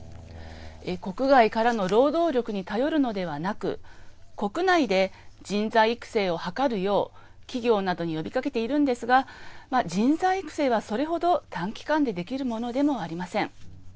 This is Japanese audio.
国外からの労働力に頼るのではなく国内で人材育成を図るよう企業などに呼びかけているんですが人材育成はそれほど短期間でできるものでもありません。